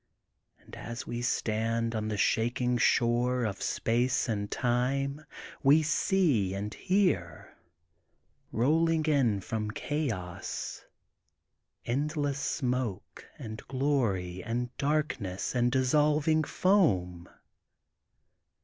And as we stand on the shaking shore of Space and Time we see and hear, rolling in 264 THE GOLDEN BOOK OF SPRINGFIELD from Chaos, endless smoke and glory and darkness and dissolving foam.